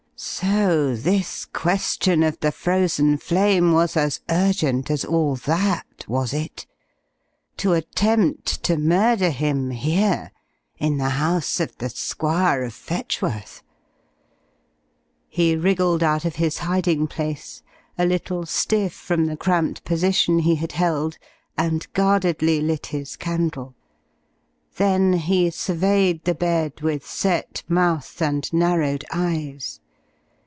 So this question of the Frozen Flame was as urgent as all that, was it? To attempt to murder him, here in the house of the Squire of Fetchworth. He wriggled out of his hiding place, a little stiff from the cramped position he had held, and guardedly lit his candle. Then he surveyed the bed with set mouth and narrowed eyes.